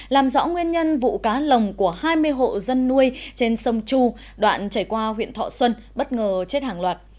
làm rõ nguyên nhân vụ cá lồng của hai mươi hộ dân nuôi trên sông chu đoạn chảy qua huyện thọ xuân bất ngờ chết hàng loạt